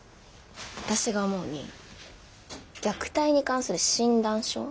私が思うに虐待に関する診断書のようなもの。